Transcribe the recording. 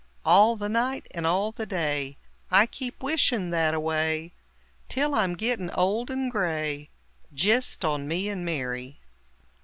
All the night and all the day I keep wishin' thataway Till I'm gittin' old and gray Jist on "Me and Mary!"